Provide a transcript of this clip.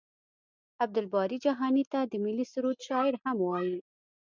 عبدالباري جهاني ته د ملي سرود شاعر هم وايي.